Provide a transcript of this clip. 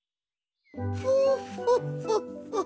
フォフォッフォッフォッ。